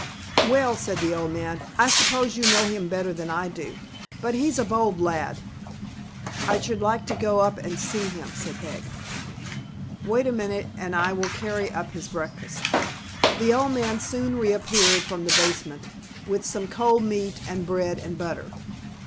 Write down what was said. "Well," said the old man, "I suppose you know him better than I do. But he's a bold lad." "I should like to go up and see him," said Peg. "Wait a minute, and I will carry up his breakfast." The old man soon reappeared from the basement with some cold meat and bread and butter.